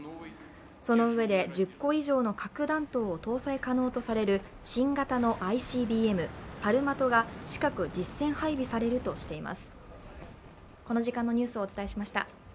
そのうえで１０個以上の核弾頭を搭載可能とされる新型のＩＣＢＭ・サルマトが近く実戦配備されるとしています。